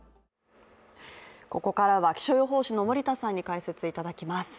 ここからは気象予報士の森田さんに解説いただきます。